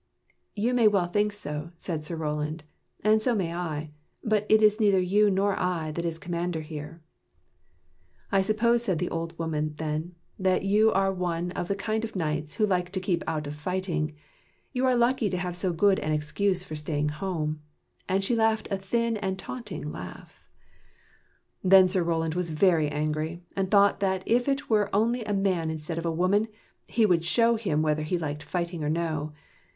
" You may well think so," said Sir Roland, " and so may I; but it is neither you nor I that is commander here." " I suppose," said the old woman then, " that you 7 THE KNIGHTS OF THE SILVER SHIELD are one of the kind of knights who like to keep out of fighting. You are lucky to have so good an excuse for staying at home." And she laughed a thin and taunting laugh. Then Sir Roland was very angry, and thought that if it were only a man instead of a woman, he would show him whether he liked fighting or no.